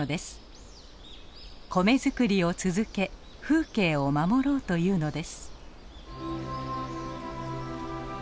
米作りを続け風景を守ろうというのです。